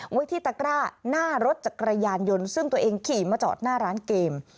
ไว้ที่ตะกร้าหน้ารถจักรยานยนต์ซึ่งตัวเองขี่มาจอดหน้าร้านเกม